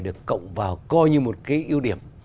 được cộng vào coi như một cái ưu điểm